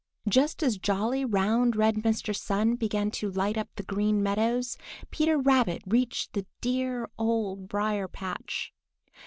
Just as jolly, round, red Mr. Sun began to light up the Green Meadows, Peter Rabbit reached the dear Old Briar patch.